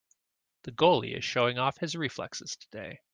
The goalie is showing off his reflexes today.